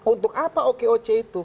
untuk apa okoc itu